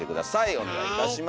お願いいたします。